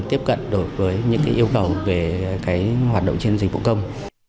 tiếp cận đối với những yêu cầu về hoạt động trên dịch vụ công